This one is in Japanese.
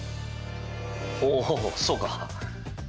おうそうか。